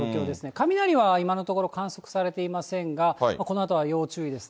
雷は、今のところ観測されていませんが、このあとは要注意ですね。